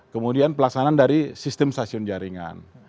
kemudian pelaksanaan dari sistem stasiun jaringan